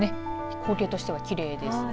光景としては、きれいですね。